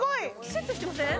シュッとしてません？